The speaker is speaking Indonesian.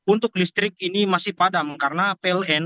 untuk listrik ini masih padam karena vln